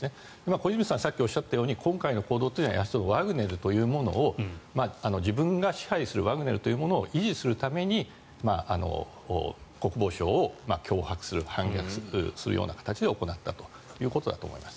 小泉さんがさっき言ったように今回の行動は自分が保持するワグネルというものを維持するために国防省を脅迫する反逆するような形で行ったということだと思います。